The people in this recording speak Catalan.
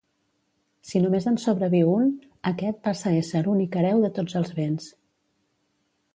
Si només en sobreviu un, aquest passa a ésser únic hereu de tots els béns.